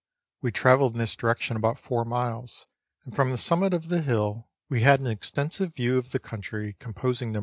We travelled in this direction about four miles, and from the summit of the hill we had an extensive view of the country composing Nos.